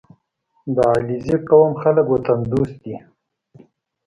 • د علیزي قوم خلک وطن دوست دي.